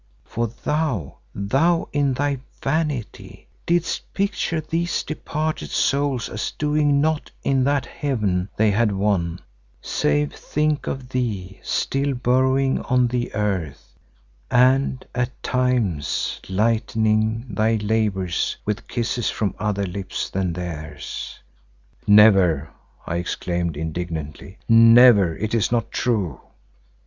For thou, thou in thy vanity, didst picture these departed souls as doing naught in that Heaven they had won, save think of thee still burrowing on the earth, and, at times lightening thy labours with kisses from other lips than theirs." "Never!" I exclaimed indignantly. "Never! it is not true."